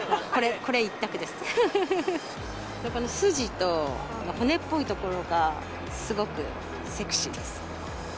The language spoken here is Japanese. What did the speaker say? この筋と、骨っぽいところが、すごくセクシーです。